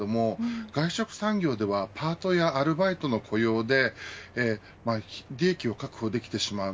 外食産業ではパートやアルバイトの雇用で利益を確保できてしまう。